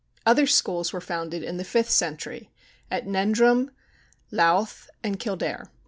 Other schools were founded in the fifth century, at Noendrum, Louth, and Kildare.